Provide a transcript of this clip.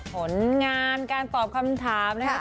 ผลงานการตอบคำถามนะครับ